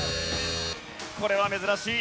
これは珍しい。